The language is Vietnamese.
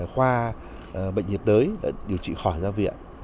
khoa bệnh nhiệt đới đã điều trị khỏi gia viện